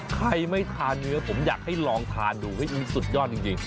ใครไม่ทานเนื้อผมอยากให้ลองทานดูสุดยอดจริง